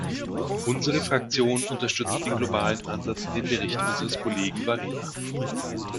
Unsere Fraktion unterstützt den globalen Ansatz in dem Bericht unseres Kollegen Varela.